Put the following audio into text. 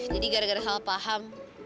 jadi gara gara salah paham